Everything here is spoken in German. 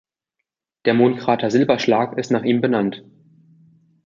Der Mondkrater Silberschlag ist nach ihm benannt.